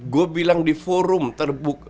gue bilang di forum terbuka